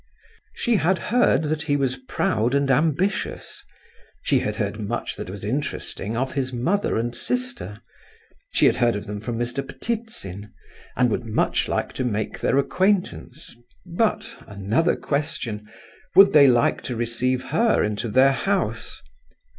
She had heard that he was proud and ambitious; she had heard much that was interesting of his mother and sister, she had heard of them from Mr. Ptitsin, and would much like to make their acquaintance, but—another question!—would they like to receive her into their house?